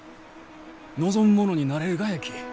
望む者になれるがやき！